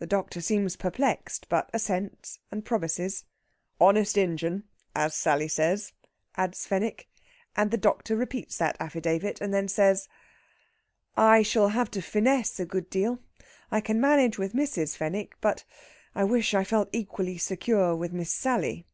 The doctor seems perplexed, but assents and promises. "Honest Injun! as Sally says," adds Fenwick. And the doctor repeats that affidavit, and then says: "I shall have to finesse a good deal. I can manage with Mrs. Fenwick. But I wish I felt equally secure with Miss Sally."